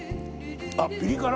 あっピリ辛！